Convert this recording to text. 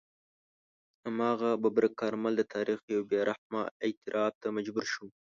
هماغه ببرک کارمل د تاریخ یو بې رحمه اعتراف ته مجبور شو.